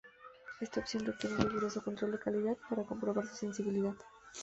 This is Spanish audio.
Esta opción requiere un riguroso control de calidad para comprobar su sensibilidad.